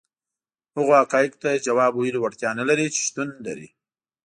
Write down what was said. هغو حقایقو ته ځواب ویلو وړتیا نه لري چې شتون لري.